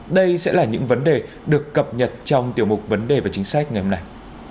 đây sẽ là những vấn đề được cập nhật trong tiểu mục vấn đề và chính sách ngày hôm nay